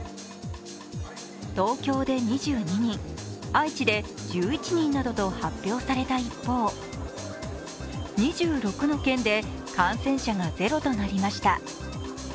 東京で２２人、愛知で１１人などと発表された一方、２６の県で感染者がゼロとなりました。